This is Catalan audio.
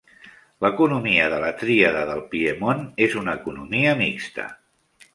L'economia de la Tríada del Piemont és una economia mixta.